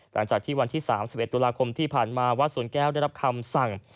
หลังจากที่วันที่๓๑ตุลาคมที่ผ่านมาวัดสวนแก้วได้รับคำสั่ง